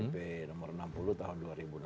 pp nomor enam puluh tahun dua ribu enam belas